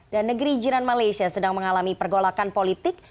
dan negeri jiran malaysia sedang mengalami pergolakan politik